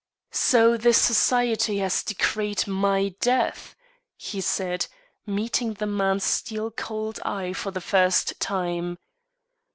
"So the society has decreed my death," he said, meeting the man's steel cold eye for the first time.